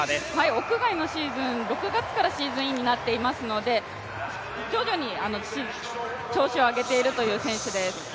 屋外のシーズン、６月からシーズンインになっていますので徐々に調子を上げているという選手です。